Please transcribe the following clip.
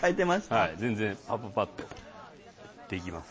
はい全然パパパッとできます